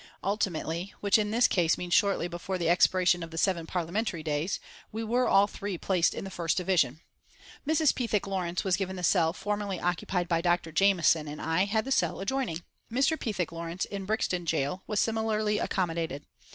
Ultimately, which in this case means shortly before the expiration of the seven Parliamentary days, we were all three placed in the first division. Mrs. Pethick Lawrence was given the cell formerly occupied by Dr. Jameson and I had the cell adjoining. Mr. Pethick Lawrence, in Brixton Gaol, was similarly accommodated.